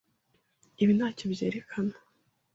Ibi ntacyo byerekana.